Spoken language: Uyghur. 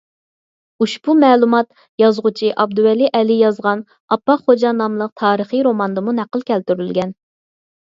ئۇشبۇ مەلۇمات، يازغۇچى ئابدۇۋەلى ئەلى يازغان «ئاپاق خوجا» ناملىق تارىخىي روماندىمۇ نەقىل كەلتۈرۈلگەن.